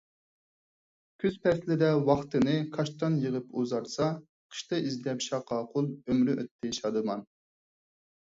كۈز پەسلىدە ۋاقتىنى كاشتان يىغىپ ئۇزارتسا، قىشتا ئىزدەپ شاقاقۇل ئۆمرى ئۆتتى شادىمان.